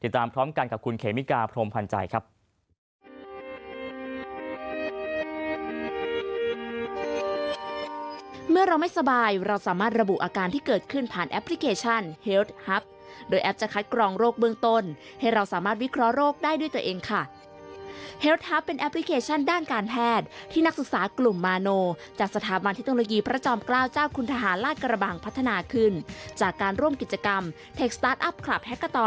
ตามพร้อมกันกับคุณเขมิกาพรมพันธ์ใจครับ